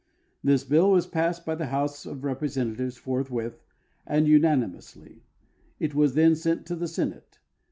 This bill was passed by the House of Representatives forthwith and unanimously ; it was then sent to the Senate.